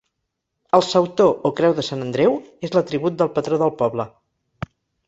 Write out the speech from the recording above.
El sautor o creu de sant Andreu és l'atribut del patró del poble.